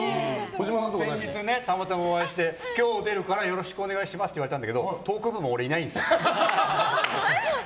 先日、たまたまお会いして今日出るからよろしくお願いしますって言われたんですけどトークの時、俺いないんですよ。